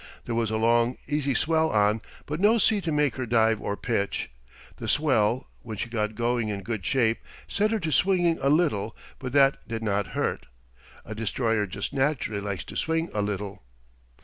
There was a long, easy swell on, but no sea to make her dive or pitch. The swell, when she got going in good shape, set her to swinging a little, but that did not hurt. A destroyer just naturally likes to swing a little.